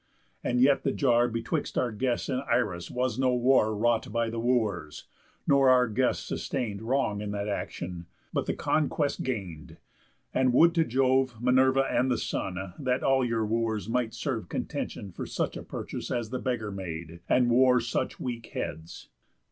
And yet the jar Betwixt our guest and Irus was no war Wrought by the Wooers; nor our guest sustain'd Wrong in that action, but the conquest gain'd. And would to Jove, Minerva, and the Sun, That all your Wooers might serve Contention For such a purchase as the beggar made, And wore such weak heads!